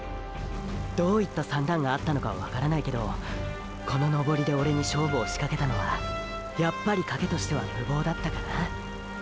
どういった算段があったのかはわからないけどこの登りでオレに勝負をしかけたのはやっぱり賭けとしてはムボウだったかな？